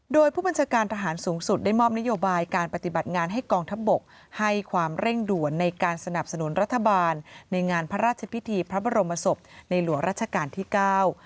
โดยผู้บัญชาการทหารสูงสุดได้มอบนโยบายการปฏิบัติงานให้กองทัพบกให้ความเร่งด่วนในการสนับสนุนรัฐบาลในงานพระราชพิธีพระบรมศพในหลวงราชการที่เก้า